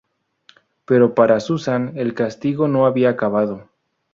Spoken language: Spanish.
Pero para Susan el castigo no había acabado.